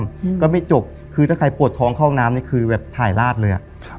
อืมก็ไม่จบคือถ้าใครปวดท้องเข้าน้ำเนี้ยคือแบบถ่ายราดเลยอ่ะครับ